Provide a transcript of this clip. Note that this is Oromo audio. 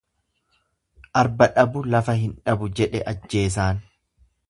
Arba dhabu lafa hin dhabu jedhe ajjeesaan.